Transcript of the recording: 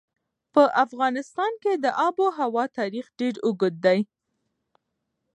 په افغانستان کې د آب وهوا تاریخ ډېر اوږد دی.